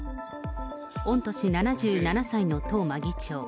御年７７歳の東間議長。